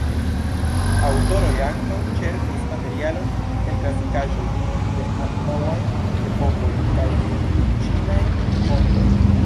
Aŭtoroj ankaŭ ĉerpis materialon el klasikaĵoj de antaŭaj epokoj, kaj el ĉinaj fontoj.